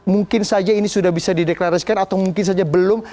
mungkin saja ini sudah bisa dideklarasikan atau mungkin saja belum